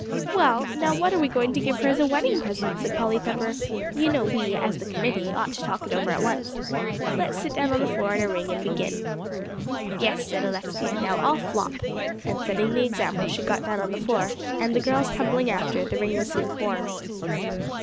"Well, now what are we to give her as a wedding present?" said Polly Pepper. "You know we, as the committee, ought to talk it over at once. Let's sit down on the floor in a ring and begin." "Yes," said Alexia; "now all flop." And setting the example, she got down on the floor; and the girls tumbling after, the ring was soon formed.